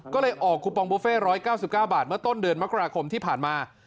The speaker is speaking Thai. ก็เลยออกคูปองบุฟเฟ่๑๙๙บาทเมื่อต้นเดือนมกราคมที่ผ่านมา